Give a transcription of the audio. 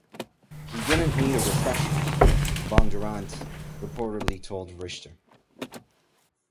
"He didn't need a refresher," Bondurant reportedly told Richter.